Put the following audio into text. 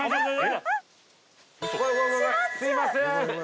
すみません！